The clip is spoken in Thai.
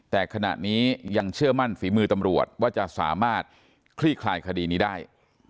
แต่ขณะนี้ยังเชื่อมั่นฝีมือตำรวจว่าจะสามารถคลี่คลายคดีนี้ได้